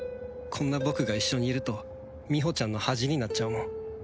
こんな僕が一緒にいるとみほちゃんの恥になっちゃうもん